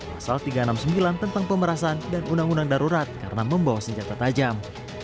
pasal tiga ratus enam puluh sembilan tentang pemerasan dan undang undang darurat karena membawa senjata tajam